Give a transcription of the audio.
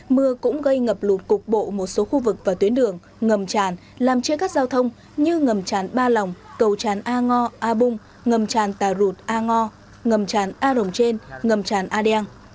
mưa cũng gây ngập lụt cục bộ một số khu vực và tuyến đường ngầm tràn làm chia cắt giao thông như ngầm tràn ba lòng cầu tràn a ngo a bung ngầm tràn tà rụt a ngo ngầm tràn a rồng trên ngầm tràn a đen